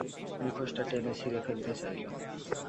মুখোশটা টেনে ছিড়ে ফেলতে চাইল।